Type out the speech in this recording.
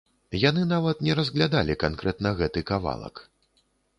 Яны нават не разглядалі канкрэтна гэты кавалак.